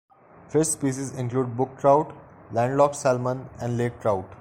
Fish species include brook trout, landlocked salmon, and lake trout.